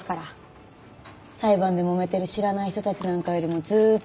裁判でもめてる知らない人たちなんかよりもずーっと。